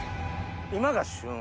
今が旬？